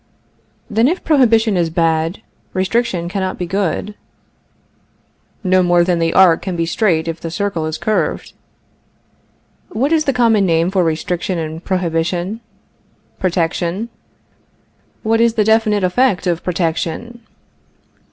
Then if prohibition is bad, restriction cannot be good. No more than the arc can be straight if the circle is curved. What is the common name for restriction and prohibition? Protection. What is the definite effect of protection?